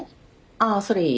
あそれいい？